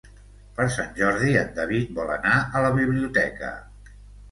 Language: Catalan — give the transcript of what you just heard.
Per Sant Jordi en David vol anar a la biblioteca.